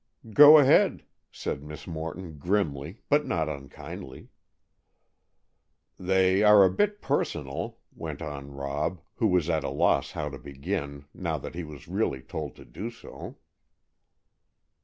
"Go ahead," said Miss Morton grimly, but not unkindly. "They are a bit personal," went on Rob, who was at a loss how to begin, now that he was really told to do so.